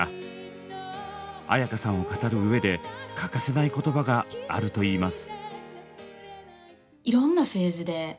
絢香さんを語るうえで欠かせない言葉があるといいます。